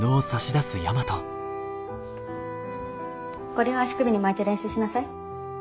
これを足首に巻いて練習しなさい。